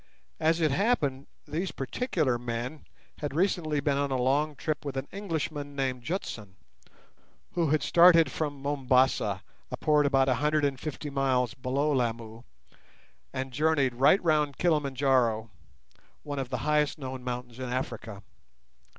As it happened, these particular men had recently been on a long trip with an Englishman named Jutson, who had started from Mombasa, a port about 150 miles below Lamu, and journeyed right round Kilimanjaro, one of the highest known mountains in Africa.